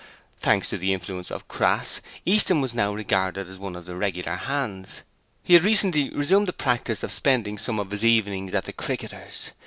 Thanks to the influence of Crass, Easton was now regarded as one of the regular hands. He had recently resumed the practice of spending some of his evenings at the Cricketers.